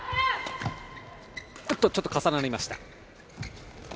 ちょっと重なりました。